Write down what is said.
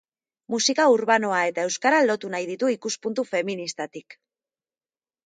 Musika urbanoa eta euskara lotu nahi ditu ikuspuntu feministatik.